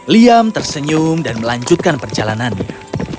liam tersenyum dan melanjutkan perjalanannya